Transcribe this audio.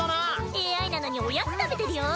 ＡＩなのにおやつ食べてるよ！